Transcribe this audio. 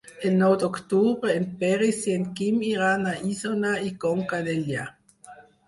El nou d'octubre en Peris i en Quim iran a Isona i Conca Dellà.